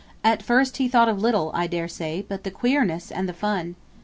At first he thought of little, I dare say, but the queerness and the fun.'